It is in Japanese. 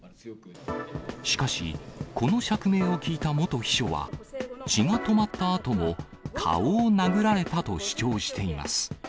しかし、この釈明を聞いた元秘書は、血が止まったあとも顔を殴られたと主張しています。